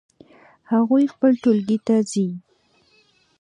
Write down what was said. هغوی خپل ټولګی ته ځي